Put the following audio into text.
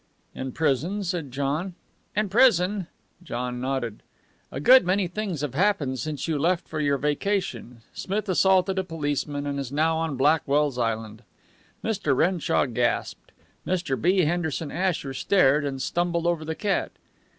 "In prison," said John. "In prison!" John nodded. "A good many things have happened since you left for your vacation. Smith assaulted a policeman, and is now on Blackwell's Island." Mr. Renshaw gasped. Mr. B. Henderson Asher stared, and stumbled over the cat.